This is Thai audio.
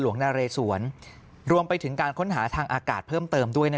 นาเรสวนรวมไปถึงการค้นหาทางอากาศเพิ่มเติมด้วย